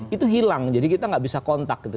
itu hilang jadi kita nggak bisa kontak gitu